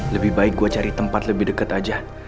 lebih baik gue cari tempat lebih dekat aja